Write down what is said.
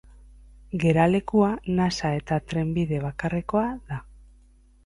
Geralekua nasa eta trenbide bakarrekoa da.